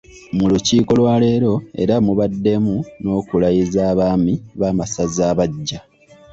Mu Lukiiko lwaleero era mubaddemu n'okulayiza abaami b'amasaza abaggya.